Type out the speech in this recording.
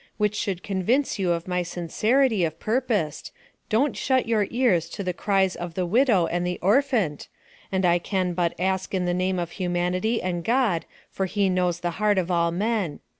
Which should convince you of my cencerity of Purpoest don't shut your ears to the cry's of the Widow and the orphant & i can but ask in the name of humanity and God for he knows the heart of all men.